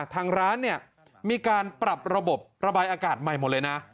ทางร้านเนี่ยมีการปรับระบบระบายอากาศใหม่หมดเลยนะ